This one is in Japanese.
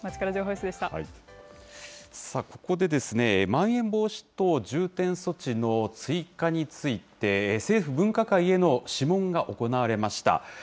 ここで、まん延防止等重点措置の追加について、政府分科会への諮問が行われました。